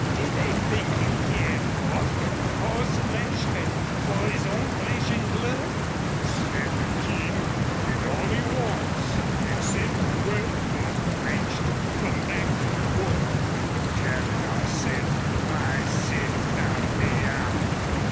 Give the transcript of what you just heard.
Did, they think he cared more for horseflesh than for his own flesh and blood? "Send the King an' all he wants.... An' send word fer Creech to come back to the Ford.... Tell him I said my sin found me out!"